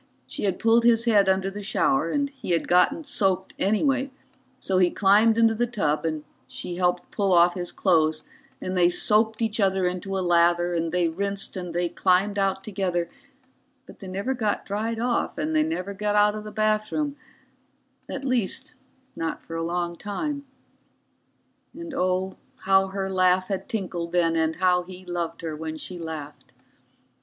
She had pulled his head under the shower, and he had got soaked anyway, so he climbed into the tub and she helped pull off his clothes and they soaped each other into a lather and they rinsed and they climbed out together, but they never got dried off and they never got out of the bathroom at least not for a long time. And oh, how her laugh had tinkled then, and how he loved her when she laughed.